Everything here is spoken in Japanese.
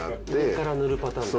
上から塗るパターンだ。